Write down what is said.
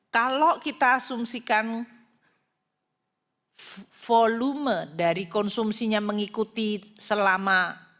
kalau kita asumsikan volume dari konsumsinya mengikuti selama